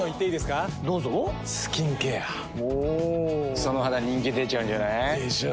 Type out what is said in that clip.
その肌人気出ちゃうんじゃない？でしょう。